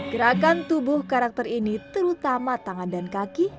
gerakan tubuh karakter ini terutama tangan dan kaki